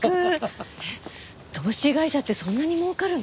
えっ投資会社ってそんなに儲かるの？